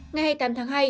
ngày hai mươi tám tháng hai